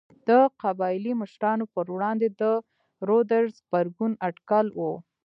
د قبایلي مشرانو پر وړاندې د رودز غبرګون اټکل و.